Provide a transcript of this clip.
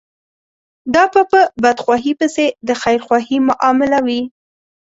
دا به په بدخواهي پسې د خيرخواهي معامله وي.